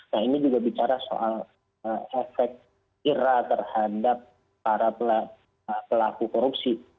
nah ini juga bicara soal efek jera terhadap para pelaku korupsi